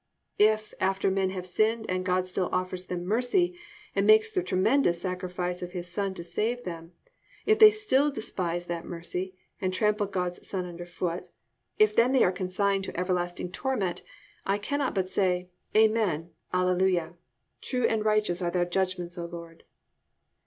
If, after men have sinned and God still offers them mercy, and makes the tremendous sacrifice of His Son to save them—if they still despise that mercy and trample God's Son under foot, if then they are consigned to everlasting torment, I cannot but say, "Amen! Hallelujah! True and righteous are thy judgments, O Lord!"